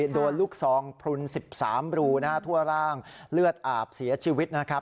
โดนลูกซองพลุน๑๓รูทั่วร่างเลือดอาบเสียชีวิตนะครับ